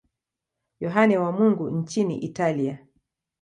Yohane wa Mungu nchini Italia.